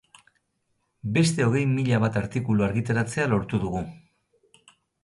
Beste hogei mila bat artikulu argitaratzea lortu dugu.